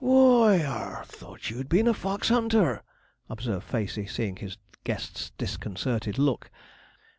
'W h o y, ar thought you'd been a fox hunter,' observed Facey, seeing his guest's disconcerted look.